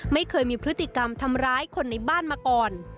ไม่เคยมีพฤติกรรมทำร้ายคนในบ้านมาก่อน